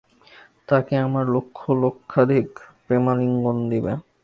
তাকে আমার লক্ষ-লক্ষাধিক প্রেমালিঙ্গন দিবে।